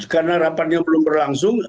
karena rapatnya belum berlangsung